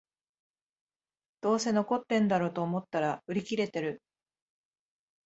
どうせ残ってんだろと思ったら売り切れてる